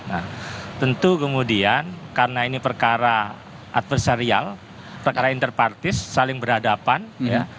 nah tentu kemudian karena ini perkara adversarial perkara interpartis saling berhadapan ya